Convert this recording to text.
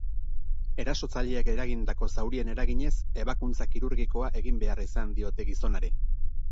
Erasotzaileak eragindako zaurien eraginez, ebakuntza kirurgikoa egin behar izan diote gizonari.